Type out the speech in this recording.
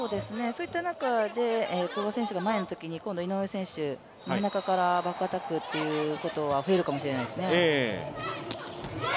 そういった中で、古賀選手が前のときに今度は井上選手、真ん中からバックアタックというのが増えるかもしれないですね。